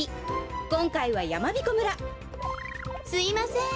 こんかいはやまびこ村すいません。